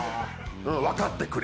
わかってくれ。